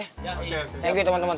sekarang gua laporan dulu ke boy